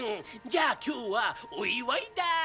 じゃあ今日はお祝いだ！